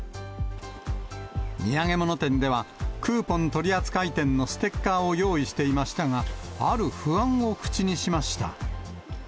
土産物店では、クーポン取り扱い店のステッカーを用意していましたが、ある不安を口にしました。